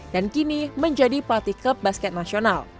dan kini menjadi parti klub basket nasional